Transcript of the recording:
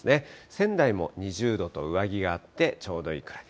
仙台も２０度と、上着があってちょうどいいくらい。